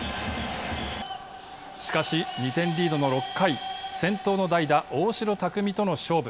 しかし、２点リードの６回先頭の代打、大城卓三との勝負。